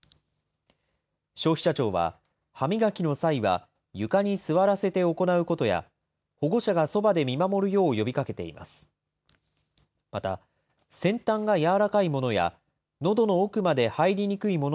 消費者庁は、歯磨きの際は、床に座らせて行うことや、保護者がそばで見守るよう呼びかけています。